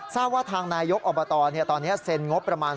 ทราบว่าทางนายกอบตตอนนี้เซ็นงบประมาณ